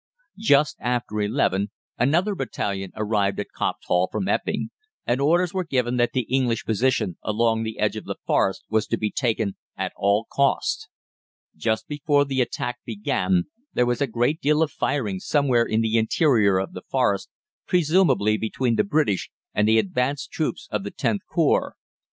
"Just after eleven another battalion arrived at Copped Hall from Epping, and orders were given that the English position along the edge of the Forest was to be taken at all cost. Just before the attack began there was a great deal of firing somewhere in the interior of the Forest, presumably between the British and the advanced troops of the Xth Corps.